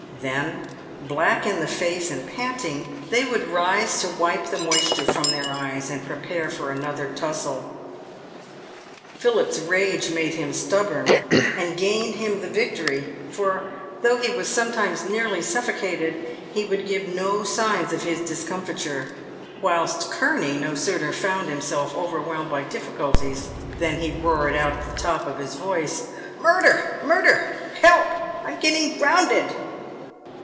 Then, black in the face, and panting, they would rise to wipe the moisture from their eyes, and prepare for another tussle. Philip's rage made him stubborn, and gained him the victory, for though he was sometimes nearly suffocated, he would give no signs of his discomfiture, whilst Kurney no sooner found himself over whelmed by difficulties than he roared out at the top of his voice, " Murder, murder, help ! I'm getting drownded